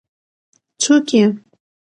څوک يې ؟